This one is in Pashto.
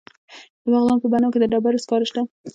د بغلان په بنو کې د ډبرو سکاره شته.